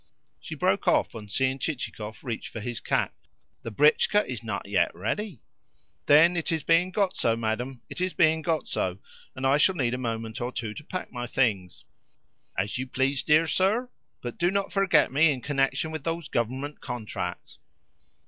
She broke off on seeing Chichikov reach for his cap. "The britchka is not yet ready." "Then it is being got so, madam, it is being got so, and I shall need a moment or two to pack my things." "As you please, dear sir; but do not forget me in connection with those Government contracts."